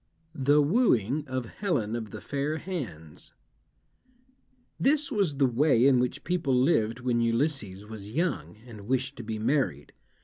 THE WOOING OF HELEN OF THE FAIR HANDS This was the way in which people lived when Ulysses was young, and wished to be married.